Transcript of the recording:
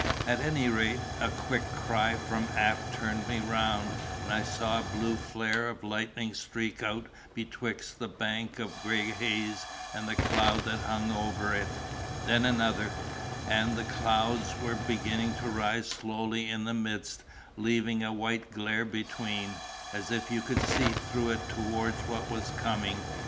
At any rate, a quick cry from aft turned me round, and I saw a blue flare of lightning streak out betwixt the bank of gray haze and the cloud that hung over it—then another, and the clouds were beginning to rise slowly in the midst, leaving a white glare between, as if you could see through it towards what was coming.